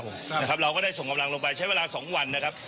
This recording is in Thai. ครับนะครับเราก็ได้ส่งกำลังลงไปใช้เวลาสองวันนะครับ